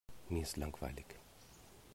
Mir ist langweilig.